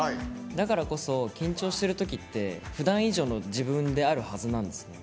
だからこそ、緊張してるときってふだん以上の自分であるはずなんですね。